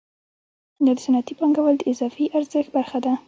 دا د صنعتي پانګوال د اضافي ارزښت برخه ده